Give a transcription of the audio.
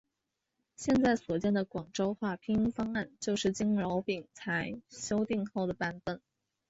现在所见的广州话拼音方案就是经饶秉才修订后的版本。